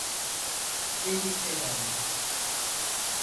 Beni içeri alın!